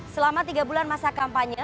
selama tiga bulan masa kampanye